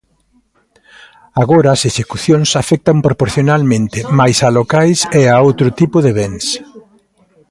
Agora as execucións afectan proporcionalmente máis a locais e a outro tipo de bens.